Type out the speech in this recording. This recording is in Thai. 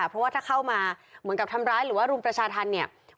เพราะว่าถ้าเข้ามาเหมือนกับทำร้ายหรือว่ารุมประชาธรรมเนี่ย